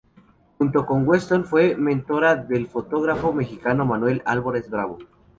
Junto con Weston, fue mentora del fotógrafo mexicano Manuel Álvarez Bravo.